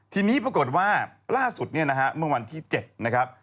ทีนี้ปรากฏว่าล่าสุดเนี่ยนะฮะเมื่อวันที่๗นะครับ